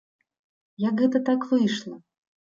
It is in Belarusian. Як гэта так выйшла?